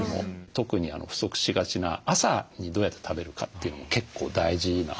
特に不足しがちな朝にどうやって食べるかというのも結構大事なんですね。